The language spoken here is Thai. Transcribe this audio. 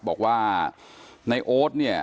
บอกว่าในโอ๊ตเนี่ย